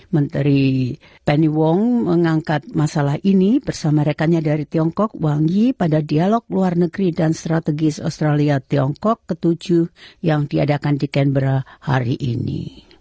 menteri penny wong mengangkat masalah ini bersama rekannya dari tiongkok wangi pada dialog luar negeri dan strategis australia tiongkok ke tujuh yang diadakan di kenbra hari ini